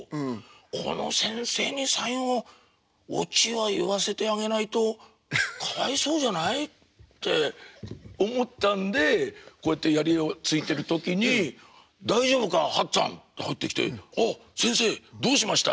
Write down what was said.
この先生に最後オチは言わせてあげないとかわいそうじゃない？って思ったんでこうやってやりを突いてる時に「大丈夫か八っつぁん」って入ってきて「ああ先生どうしました？」。